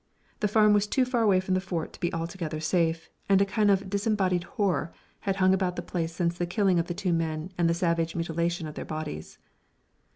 The farm was too far away from the Fort to be altogether safe, and a kind of disembodied horror had hung about the place since the killing of the two men and the savage mutilation of their bodies.